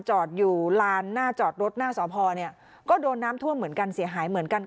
จอดอยู่ลานหน้าจอดรถหน้าสพเนี่ยก็โดนน้ำท่วมเหมือนกันเสียหายเหมือนกัน